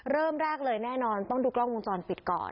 เริ่มแรกเลยแน่นอนต้องดูกล้องวงจรปิดก่อน